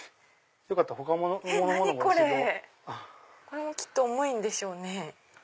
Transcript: これもきっと重いんでしょうね。